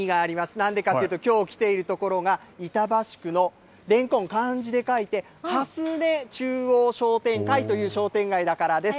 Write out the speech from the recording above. なんでかっていうと、きょう来ている所が、板橋区のレンコン、漢字で書いて、蓮根中央商店会という商店街だからです。